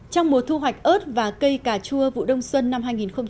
trong mùa thu hoạch ớt và cây cà chua vụ đông xuân năm hai nghìn một mươi bảy